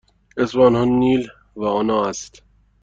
اسم آنها نیل و آنا است.